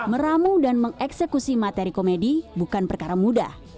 meramu dan mengeksekusi materi komedi bukan perkara mudah